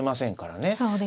そうですね。